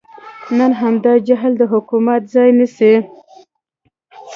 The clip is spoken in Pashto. نن همدا جهل د حکمت ځای نیسي.